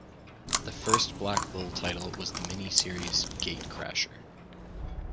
The first Black Bull title was the miniseries "Gatecrasher".